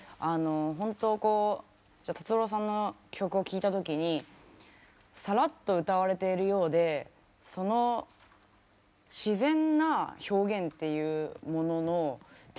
本当こう達郎さんの曲を聴いた時にさらっと歌われているようでその自然な表現っていうもののテクニックがすごいというか。